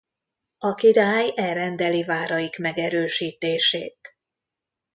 A király elrendeli váraik megerősítését.